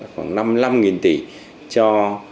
khoảng năm mươi năm tỷ cho